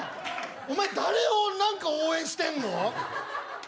お前、誰を応援してんの？